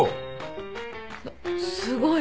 すごい。